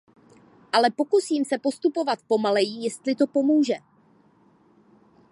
Ale pokusím se postupovat pomaleji, jestli to pomůže.